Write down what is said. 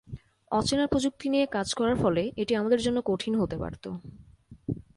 অচেনা প্রযুক্তি নিয়ে কাজ করার ফলে এটি আমাদের জন্য কঠিন হতে পারত।